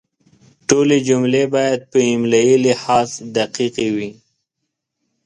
ټولې جملې باید په املایي لحاظ دقیقې وي.